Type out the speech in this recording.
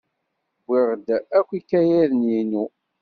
Wwiɣ-d akk ikayaden-inu.